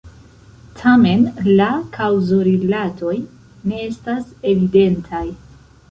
Tamen, la kaŭzorilatoj ne estas evidentaj.